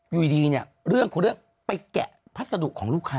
อยู่ดีเนี่ยเรื่องของเรื่องไปแกะพัสดุของลูกค้า